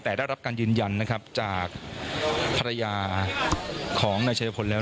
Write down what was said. แต่ได้รับการยืนยันนะครับจากภรรยาของนายชายพลแล้ว